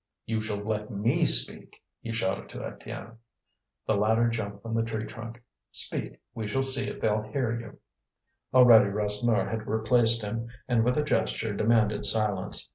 "You shall let me speak," he shouted to Étienne. The latter jumped from the tree trunk. "Speak, we shall see if they'll hear you." Already Rasseneur had replaced him, and with a gesture demanded silence.